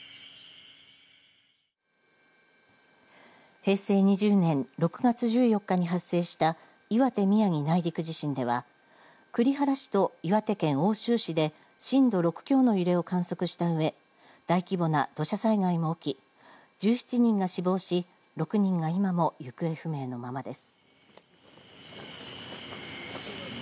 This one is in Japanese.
平成２０年６月１４日に発生した岩手・宮城内陸地震では栗原市と岩手県奥州市で震度６強の揺れを観測したうえ大規模な土砂災害も起き１７人が死亡し６人が今も行方不明のままです。